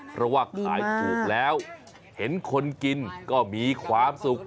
เพราะว่าขายถูกแล้วเห็นคนกินก็มีความสุข